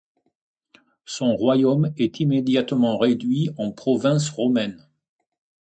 Son royaume est immédiatement réduit en province romaine.